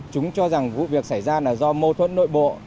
chúng cho rằng vụ việc xảy ra là do mâu thuẫn nội bộ